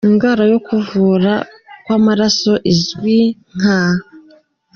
indwara yo kuvura kw’amaraso izwi nka